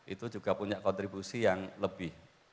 itu juga punya kontribusi yang lebih